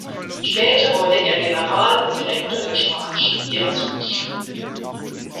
Später wurde er General und Direktor der spanischen Heereshochschule.